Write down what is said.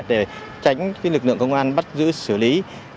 để tránh lực lượng công an bắt giữ xử lý